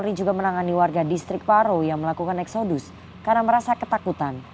polri juga menangani warga distrik paro yang melakukan eksodus karena merasa ketakutan